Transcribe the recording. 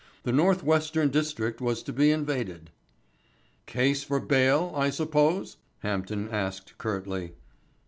The North Western district was to be invaded. "Case for bail, I suppose?" Hampden asked curtly.